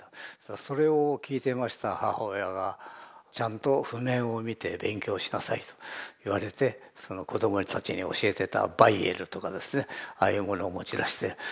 それを聴いていました母親が「ちゃんと譜面を見て勉強しなさい」と言われてその子供たちに教えてたバイエルとかですねああいうものを持ち出してさあ